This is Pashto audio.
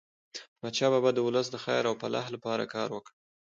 احمد شاه بابا د ولس د خیر او فلاح لپاره کار وکړ.